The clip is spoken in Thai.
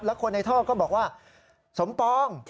แล้วคนในท่อก็บอกว่าสมปอง